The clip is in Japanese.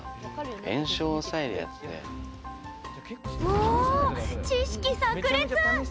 お、知識さく裂！